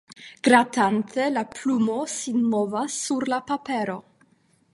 Gratante la plumo sin movas sur la papero.